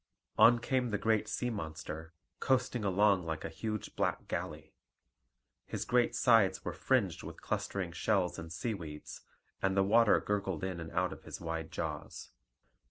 On came the great sea monster, coasting along like a huge black galley. His great sides were fringed with clustering shells and seaweeds, and the water gurgled in and out of his wide jaws.